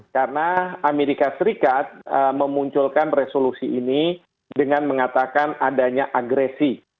karena amerika serikat memunculkan resolusi ini dengan mengatakan adanya agresi